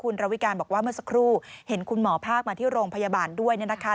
คุณระวิการบอกว่าเมื่อสักครู่เห็นคุณหมอภาคมาที่โรงพยาบาลด้วยเนี่ยนะคะ